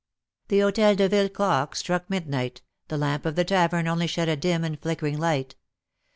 The Hotel de Ville clock struck midnight; the lamp of the tavern only shed a dim and flickering light.